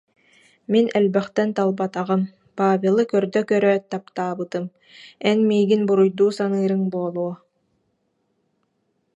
Мин элбэхтэн талбатаҕым, Павелы көрдө көрөөт таптаабытым, эн миигин буруйдуу саныырыҥ буолуо